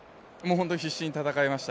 本当に必死に戦いました